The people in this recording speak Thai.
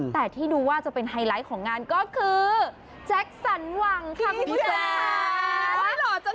แต่ที่ดูว่าจะเป็นไฮไลท์ของงานก็คือแจ็คสันหวังค่ะคุณผู้ชม